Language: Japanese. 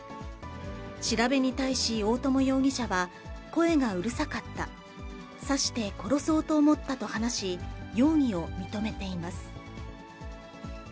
調べに対し、大友容疑者は、声がうるさかった、刺して殺そうと思ったと話し、容疑を認めています。